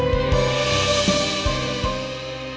dalam perangkat wsd